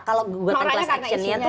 kalau gugatan kelas actionnya